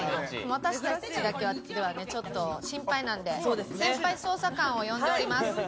私たちだけでは、ちょっと心配なんで先輩捜査官を呼んでおります。